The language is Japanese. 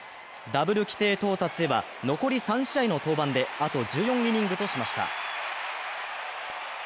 ダブル規定到達へは残り３試合の登板で、あと１４イニングとしました。